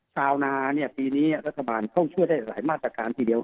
ชาวนาปีนี้รัฐบาลต้องช่วยได้หลายมาตรการทีเดียว